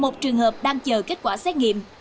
một trường hợp đang chờ kết quả xét nghiệm